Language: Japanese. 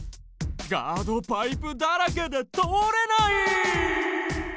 ガードパイプだらけで通れない！